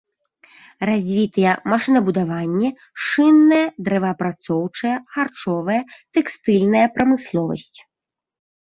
Развітыя машынабудаванне, шынная, дрэваапрацоўчая, харчовая, тэкстыльная прамысловасць.